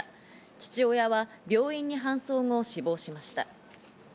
父親は病院に搬送後、死亡しました。